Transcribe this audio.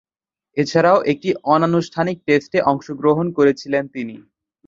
এছাড়াও, একটি অনানুষ্ঠানিক টেস্টে অংশগ্রহণ করেছিলেন তিনি।